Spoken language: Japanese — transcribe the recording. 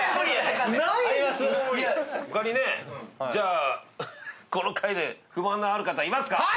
じゃあこの回で不満のある方いますか？